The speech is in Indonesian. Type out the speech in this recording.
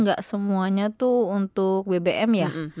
enggak semuanya tuh untuk bbm ya